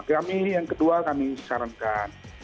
kami yang kedua kami sarankan